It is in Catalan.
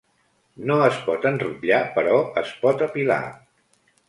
No es pot enrotllar però es pot apilar.